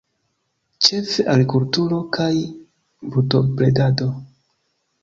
Ĉefe agrikulturo kaj brutobredado.